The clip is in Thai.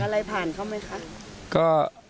ผ่านอะไรผ่านเขาไหมครับ